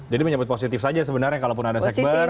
jadi menyebut positif saja sebenarnya kalau pun ada segbar